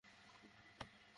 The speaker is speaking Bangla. এই সব কেন?